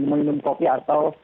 meminum kopi atau